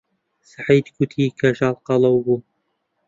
سەعید گوتی کەژاڵ قەڵەو بوو.